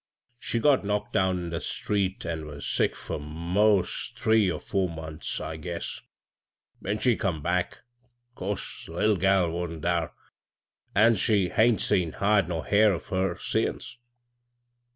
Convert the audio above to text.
She got knocked down in the street, an' was sick fur mos' three or four months, I guess. When she come back, 'course the lit tle gal wa'n't thar — an* she h^n't seen hide nor hair of her since."